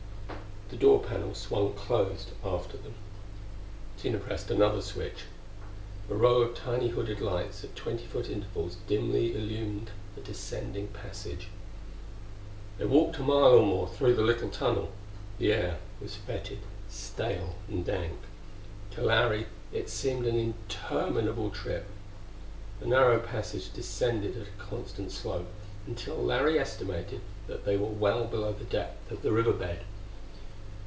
The door panel swung closed after them. Tina pressed another switch. A row of tiny hooded lights at twenty foot intervals dimly illumined the descending passage. They walked a mile or more through the little tunnel. The air was fetid; stale and dank. To Larry it seemed an interminable trip. The narrow passage descended at a constant slope, until Larry estimated that they were well below the depth of the river bed.